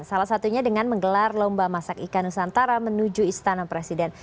salah satunya dengan menggelar lomba masak ikan nusantara menuju istana presiden